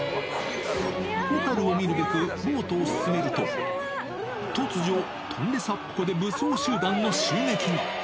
蛍を見るべくボートを進めると、突如、トンレサップ湖で武装集団の襲撃が。